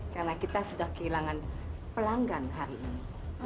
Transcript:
karena kita sudah kehilangan pelanggan hari ini